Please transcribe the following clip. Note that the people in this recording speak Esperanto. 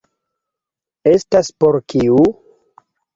Estas por kiu?